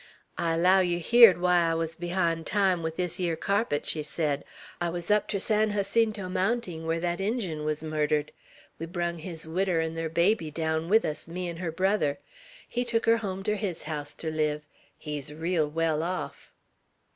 "I allow yer heered why I wuz behind time with this yere carpet," she said; "I wuz up ter San Jacinto Mounting, where thet Injun wuz murdered. We brung his widder 'n' ther baby daown with us, me 'n' her brother. He's tuk her home ter his house ter live. He's reel well off."